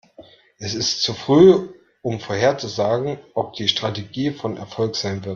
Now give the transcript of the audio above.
Es ist zu früh, um vorherzusagen, ob die Strategie von Erfolg sein wird.